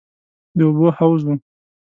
د اوبو حوض و.